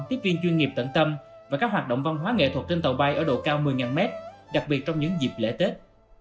tiếp viên chuyên nghiệp tận tâm và các hoạt động văn hóa nghệ thuật trên tàu bay ở độ cao một mươi mét đặc biệt trong những dịp lễ tết